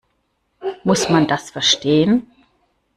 Muss man das verstehen?